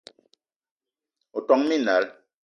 O ton minal